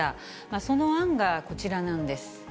その案がこちらなんです。